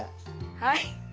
はい！